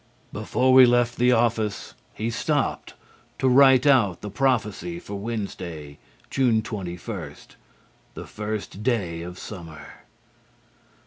Before we left the office he stopped to write out the prophecy for Wednesday, June 21, the First Day of Summer.